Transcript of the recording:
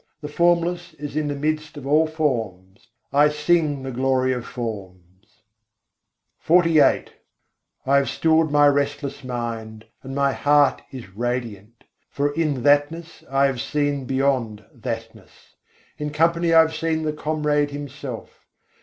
The Formless is in the midst of all forms. I sing the glory of forms." XLVIII I. 107. calat mansâ acal kînhî I have stilled my restless mind, and my heart is radiant: for in Thatness I have seen beyond That ness. In company I have seen the Comrade Himself.